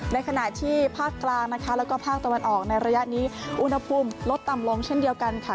ในขณะที่ภาคกลางนะคะแล้วก็ภาคตะวันออกในระยะนี้อุณหภูมิลดต่ำลงเช่นเดียวกันค่ะ